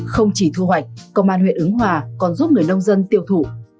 không chỉ thu hoạch công an huyện ứng hòa còn giúp người nông dân tiêu thụ